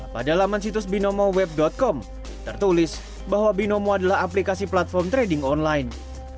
pada laman situs binomo web com tertulis bahwa binomo adalah aplikasi platform trading online